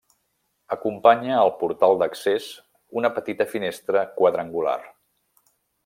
Acompanya al portal d'accés una petita finestra quadrangular.